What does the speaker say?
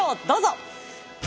どうぞ。